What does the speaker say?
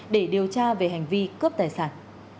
để điều tra về hành vi cướp tài sản